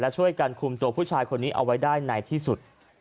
ช่วยกันคุมตัวผู้ชายคนนี้เอาไว้ได้ในที่สุด